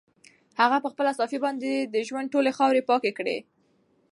هغه په خپله صافه باندې د ژوند ټولې خاورې پاکې کړې.